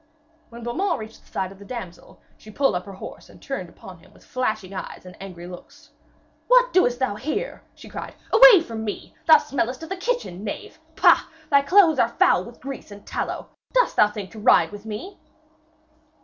When Beaumains reached the side of the damsel, she pulled up her horse and turned upon him with flashing eyes and angry looks. 'What doest thou here?' she cried. 'Away from me thou smellest of the kitchen, knave! Pah! thy clothes are foul with grease and tallow! Dost thou think to ride with me?'